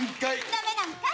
ダメなんかい。